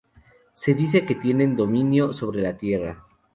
Se dice que tienen dominio sobre la tierra.